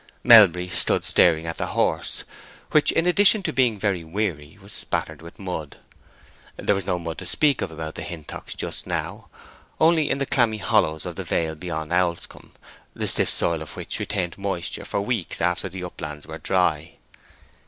Melbury stood staring at the horse, which, in addition to being very weary, was spattered with mud. There was no mud to speak of about the Hintocks just now—only in the clammy hollows of the vale beyond Owlscombe, the stiff soil of which retained moisture for weeks after the uplands were dry.